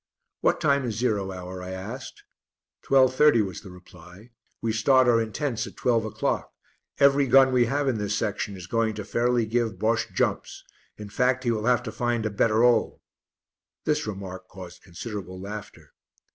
"What time is zero hour?" I asked. "Twelve thirty," was the reply. "We start our intense at twelve o'clock, every gun we have in this section is going to fairly give Bosche jumps; in fact he will have to find a 'better 'ole.'" This remark caused considerable laughter.